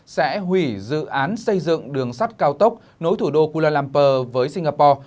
sẽ hủy dự án xây dựng đường sắt cao tốc nối thủ đô kuala lumpur với singapore